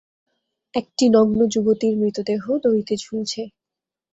একটি নগ্ন যুবতীর মৃতদেহ দড়িতে ঝুলছে।